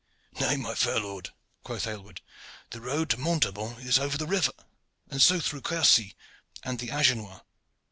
"Nay, my fair lord," quoth Aylward. "The road to Montaubon is over the river, and so through Quercy and the Agenois."